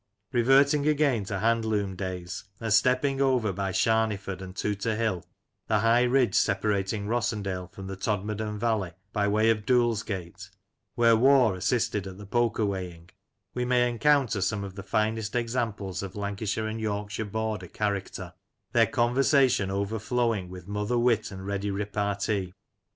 " Reverting again to hand loom days, and stepping over by Sharneyford and Tooter Hill, the high ridge separating Rossendale from the Todmorden valley, by way of Dules gate — where Waugh assisted at the poker weighing — we may encounter some of the finest examples of Lancashire and Yorkshire border character, their conversation overflowing with mother wit and ready repartee.